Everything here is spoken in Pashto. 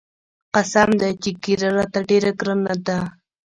قسم دى چې ږيره راته ډېره ګرانه ده.